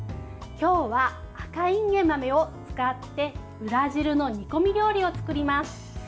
今日は、赤いんげん豆を使ってブラジルの煮込み料理を作ります。